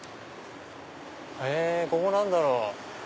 へぇここ何だろう？